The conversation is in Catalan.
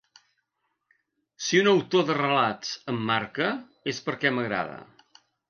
Si un autor de relats em marca, és perquè m'agrada.